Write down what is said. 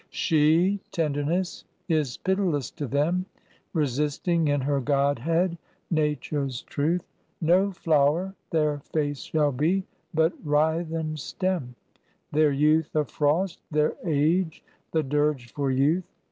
She, tenderness, is pitiless to them Resisting in her godhead nature's truth. No flower their face shall be, but writhen stem; Their youth a frost, their age the dirge for youth.